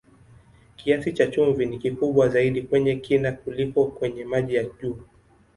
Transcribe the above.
Kiasi cha chumvi ni kikubwa zaidi kwenye kina kuliko kwenye maji ya juu.